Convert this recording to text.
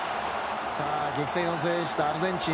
激戦を制したアルゼンチン。